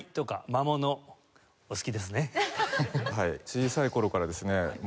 小さい頃からですね